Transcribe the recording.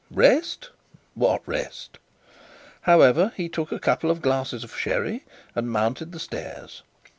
Rest! What rest? However, he took a couple of glasses of sherry, and mounted the stairs.